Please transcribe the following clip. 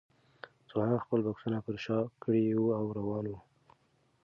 ځوانانو خپل بکسونه پر شا کړي وو او روان وو.